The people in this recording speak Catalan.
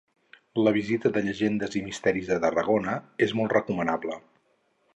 La visita de llegendes i misteris de Tarragona és molt recomanable.